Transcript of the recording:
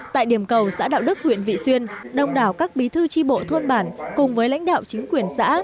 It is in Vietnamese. tại điểm cầu xã đạo đức huyện vị xuyên đông đảo các bí thư tri bộ thôn bản cùng với lãnh đạo chính quyền xã